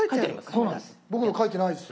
僕の書いてないです。